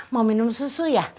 mau minum susu ya